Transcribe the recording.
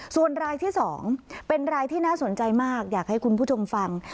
ส่วนรายที่๒เป็นรายที่น่าสนใจมากอยากให้คุณผู้ชมฟัง